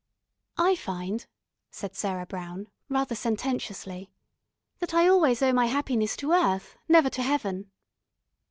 "I find," said Sarah Brown, rather sententiously, "that I always owe my happiness to earth, never to heaven."